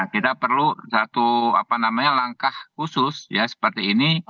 kita perlu satu langkah khusus ya seperti ini